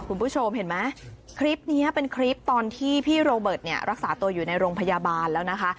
คุณผู้ชมเห็นไหมคลิปนี้เป็นคลิปตอนที่พี่โรเบิร์ตเนี่ยรักษาตัวอยู่ในโรงพยาบาลแล้วนะคะ